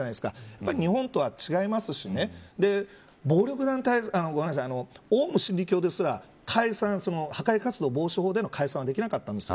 やっぱり日本とは違いますしオウム真理教ですら破壊活動防止法での解散はできなかったんです。